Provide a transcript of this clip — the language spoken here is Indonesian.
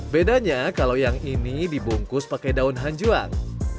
bedanya kalau yang ini dibungkus pakai daun hanjuang